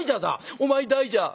「お前大蛇？」。